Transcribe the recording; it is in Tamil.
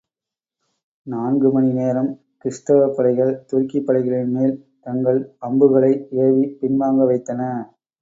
நான்கு மணி நேரம், கிறிஸ்தவப்படைகள் துருக்கிப்படைகளின் மேல் தங்கள் அம்புகளை ஏவிப் பின்வாங்க வைத்தன.